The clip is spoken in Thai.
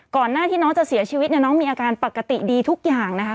ก่อนหน้าที่น้องจะเสียชีวิตเนี่ยน้องมีอาการปกติดีทุกอย่างนะคะ